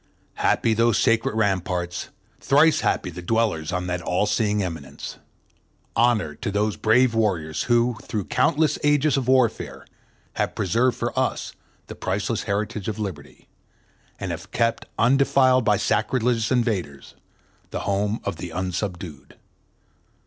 Happy those sacred ramparts, thrice happy the dwellers on that all seeing eminence. Honor to those brave warriors who, through countless ages of warfare, have preserved for us the priceless heritage of liberty, and have kept undefiled by sacrilegious invaders the home of the unsubdued.